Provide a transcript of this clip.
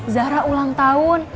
zahra ulang tahun